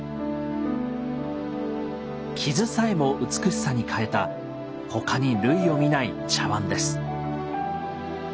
傷さえも美しさに変えた他に類を見ない茶碗です。